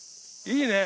いいね！